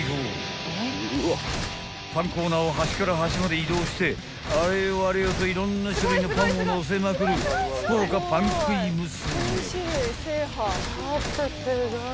［パンコーナーを端から端まで移動してあれよあれよといろんな種類のパンをのせまくる福岡パン食い娘］